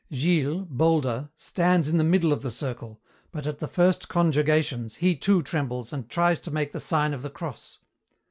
Gilles, bolder, stands in the middle of the circle, but at the first conjurgations he too trembles and tries to make the sign of the cross.